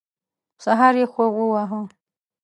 سهار یې خوب وواهه.